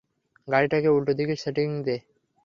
গাড়িটাকে উল্টোদিকে সেটিং দে।